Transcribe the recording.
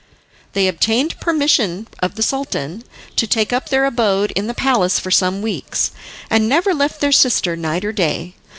They obtained permission of the Sultan to take up their abode in the palace for some weeks, and never left their sister night or day.